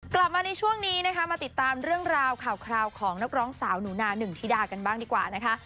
กลับมาในช่วงนี้นะคะมาติดตามเรื่องราวข่าวคราวของนักร้องสาวหนูนาหนึ่งธิดากันบ้างดีกว่านะคะ